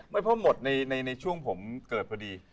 ไม่เพราะหมดในช่วงผมเกิดพอดี